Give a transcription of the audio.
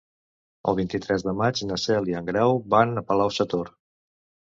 El vint-i-tres de maig na Cel i en Grau van a Palau-sator.